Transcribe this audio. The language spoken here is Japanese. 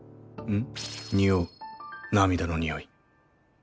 ん？